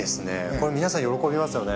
これ皆さん喜びますよね。